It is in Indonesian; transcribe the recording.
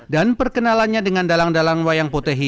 dan perkenalannya dengan dalang dalang wayang potehi